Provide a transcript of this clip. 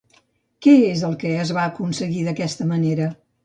Què és el que es va aconseguir d'aquesta manera?